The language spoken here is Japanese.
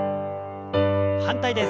反対です。